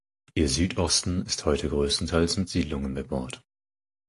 Ihr Südosten ist heute größtenteils mit Siedlungen bebaut.